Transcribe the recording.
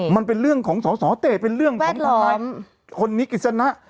มันเป็นเรื่องของสอสอเตะเป็นเรื่องของแวดล้อมคนนิกฤษณะ